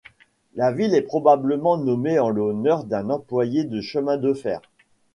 La ville est probablement nommée en l'honneur d'un employé du chemin de fer.